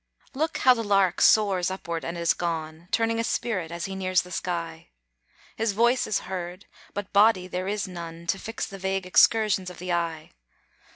Look how the lark soars upward and is gone, Turning a spirit as he nears the sky! His voice is heard, but body there is none To fix the vague excursions of the eye.